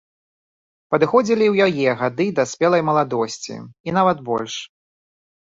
Падыходзілі і ў яе гады да спелай маладосці, і нават больш.